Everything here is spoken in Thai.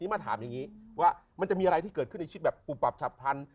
มาถามอย่างนี้ว่ามันจะมีอะไรที่เกิดขึ้นในชีวิตแบบปุบปับฉับพลัน